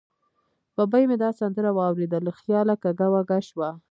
ببۍ مې دا سندره واورېده، له خیاله کږه وږه شوه.